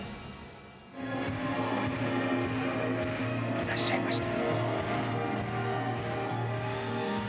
いらっしゃいました。